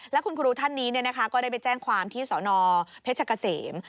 และคุณครูท่านนี้ก็ได้ไปแจ้งความที่สนเพชรเกษม